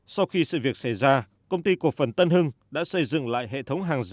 sau khi sự việc xảy ra công ty cổ phần tân hưng đã xây dựng lại hệ thống hàng giả